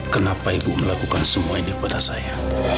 kenapa ibu melakukan semua ini kepada saya